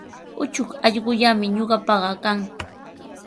Uchuk allqullami ñuqapaqa kan.